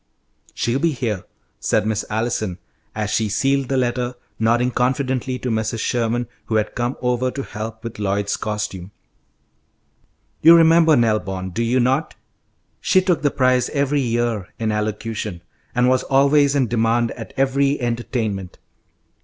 "She'll be here," said Miss Allison, as she sealed the letter, nodding confidently to Mrs. Sherman, who had come over to help with Lloyd's costume. "You remember Nell Bond, do you not? She took the prize every year in elocution, and was always in demand at every entertainment.